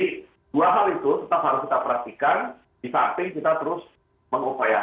di samping kita terus mengupayakan vaksinasi mencapai tujuannya